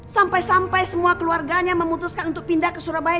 sampai sampai semua keluarganya memutuskan untuk pindah ke surabaya